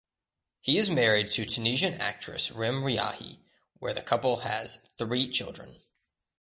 He is married to Tunisian actress Rim Riahi where the couple has three children.